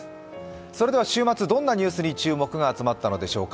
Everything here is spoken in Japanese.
それでは週末、どんなニュースに注目が集まったのでしょうか。